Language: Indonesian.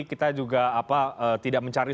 kita juga tidak mencari